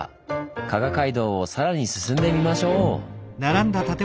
加賀街道をさらに進んでみましょう！